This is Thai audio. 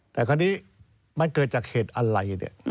แต่คราวนี้มันเกิดจากเหตุอะไร